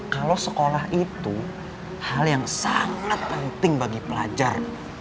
kalau sekolah itu hal yang sangat penting bagi pelajar